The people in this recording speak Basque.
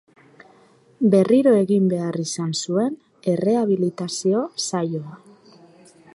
Berriro egin behar izan zuen errehabilitazio saioa.